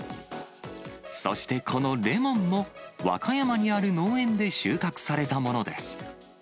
そしてこのレモンも和歌山にある農園で収穫されたものです。